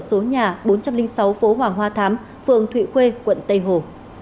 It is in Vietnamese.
số nhà bốn trăm linh sáu phố hoàng hoa thám phường thụy khuê quận tây hồ